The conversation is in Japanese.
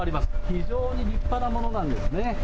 非常に立派なものなんですね。